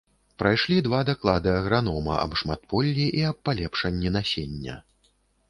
Прайшлі два даклады агранома аб шматполлі і аб палепшанні насення.